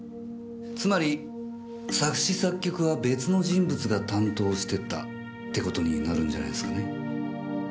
つまり作詞作曲は別の人物が担当してたって事になるんじゃないすかね？